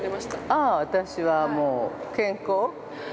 ◆あー私は、もう、健康。